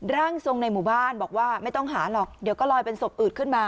ร่างทรงในหมู่บ้านบอกว่าไม่ต้องหาหรอกเดี๋ยวก็ลอยเป็นศพอืดขึ้นมา